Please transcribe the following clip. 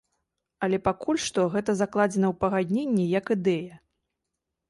Але пакуль што гэта закладзена ў пагадненне як ідэя.